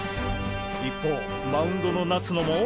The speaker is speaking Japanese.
一方マウンドの夏野も。